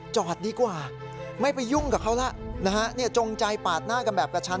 จอดดีกว่าไม่ไปยุ่งกับเขาแล้วนะฮะจงใจปาดหน้ากันแบบกระชัน